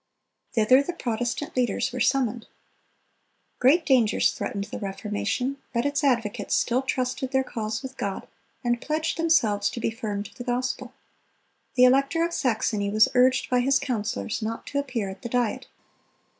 Thither the Protestant leaders were summoned. Great dangers threatened the Reformation; but its advocates still trusted their cause with God, and pledged themselves to be firm to the gospel. The elector of Saxony was urged by his councilors not to appear at the Diet.